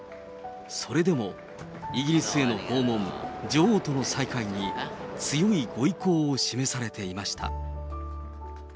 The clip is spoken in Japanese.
それでもイギリスへの訪問、女王との再会に、強いご意向を示されていました。